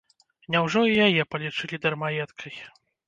Няўжо і яе палічылі дармаедкай?